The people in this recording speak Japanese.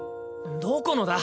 どこのだ？